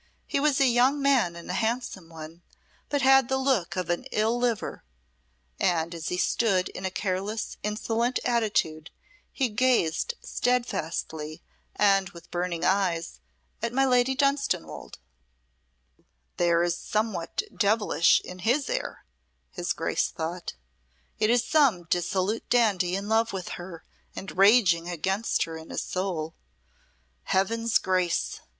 He was a young man and a handsome one, but had the look of an ill liver, and as he stood in a careless, insolent attitude he gazed steadfastly and with burning eyes at my Lady Dunstanwolde. "There is somewhat devilish in his air," his Grace thought. "It is some dissolute dandy in love with her and raging against her in his soul. Heaven's grace!